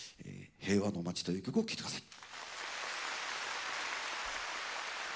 「平和の街」という曲を聴いて下さい。